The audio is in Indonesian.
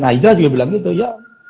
nah hijrah juga bilang gitu ya